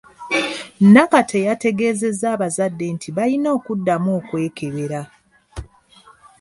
Nakate yategeezezza abazadde nti balina okuddamu okwekebera.